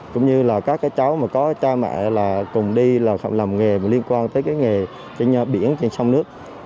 cũng như các cháu có cha mẹ cùng đi làm nghề liên quan tới nghề biển trên sông nước